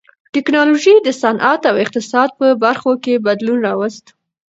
ټکنالوژۍ د صنعت او اقتصاد په برخو کې بدلون راوست.